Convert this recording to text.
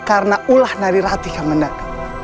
karena ulah nari rati kemenang